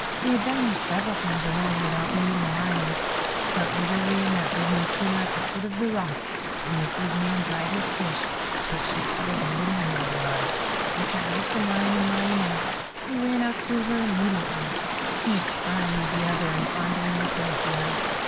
He had been there several times alone without meeting the lions, but little Lionette was no sooner at the foot of the rock where the good man dried his fish than she uttered a little roar, which awoke the lion and lioness, who ran out to her immediately, each vying with the other in fondling and caressing her.